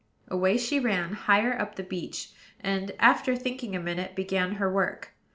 Away she ran, higher up the beach, and, after thinking a minute, began her work.